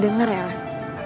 dengar ya luan